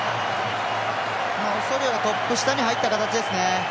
オソリオトップ下に入った形ですね。